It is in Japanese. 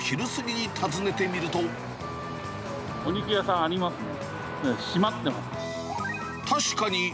お肉屋さんありますね。